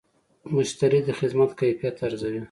مشتری د خدمت کیفیت ارزوي.